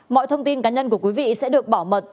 mọi thông tin cá nhân của quý vị sẽ được bảo mật